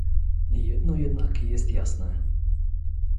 Jedno jednak jest jasne